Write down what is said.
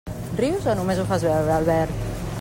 Rius o només ho fas veure, Albert?